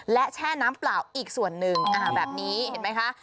และแช่น้ำเปล่าอีกส่วนหนึ่งแบบนี้เห็นไหมคะ